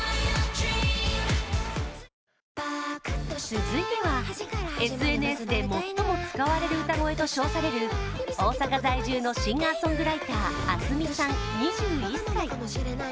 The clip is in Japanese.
続いてはＳＮＳで最も使われる歌声と称される大阪在住のシンガーソングライター、ａｓｍｉさん２１歳。